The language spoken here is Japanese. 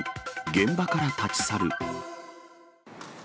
現場から立ち去る。